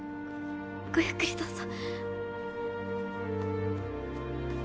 ごゆっくりどうぞ。